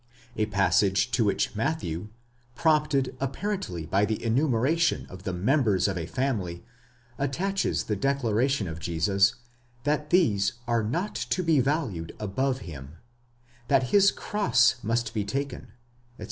a passage to which Matthew, prompted apparently by the enumeration of the members of a family, attaches the declaration of Jesus that these are not to be valued above him, that his cross must be taken, etc.